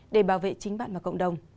để bảo vệ chính bạn và cộng đồng